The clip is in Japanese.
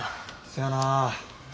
そやなぁ。